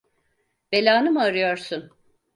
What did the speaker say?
Belanı mı arıyorsun?